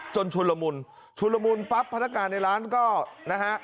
ชุนละมุนชุนละมุนปั๊บพนักงานในร้านก็นะฮะ